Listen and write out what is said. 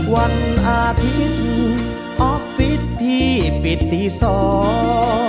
วันอาทิตย์ออฟฟิศที่ปิดตีสอง